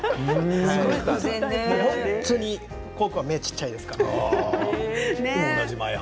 本当に滉君は目が小っちゃいですからね。